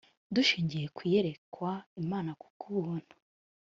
dushingiye ku iyerekwa imana ku bw ubuntu